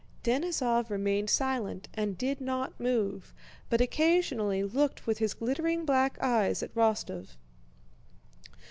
Denísov remained silent and did not move, but occasionally looked with his glittering black eyes at Rostóv.